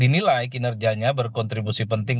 dinilai kinerjanya berkontribusi penting